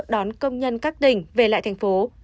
đón công nhân các tỉnh về lại thành phố